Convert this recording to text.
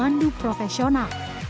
dan pemandu profesional